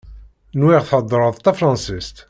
Nwiɣ theddreḍ tafransist.